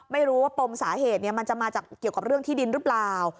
ไม่รู้ว่าปมสาเหตุมันจะมาจากเกี่ยวกับเรื่องที่ดินหรือเปล่า